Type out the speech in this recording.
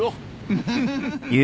ウフフフ。